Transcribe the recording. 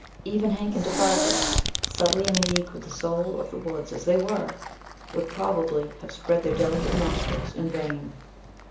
Even Hank and Défago, subtly in league with the soul of the woods as they were, would probably have spread their delicate nostrils in vain....